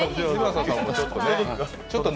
ちょっと。